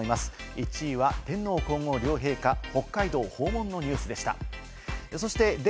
１位は天皇皇后両陛下、北海道訪問のニュースでした。